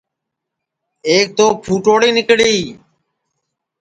ایک تو پُھٹوڑی نکݪی